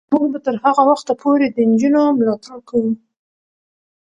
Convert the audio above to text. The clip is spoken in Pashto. موږ به تر هغه وخته پورې د نجونو ملاتړ کوو.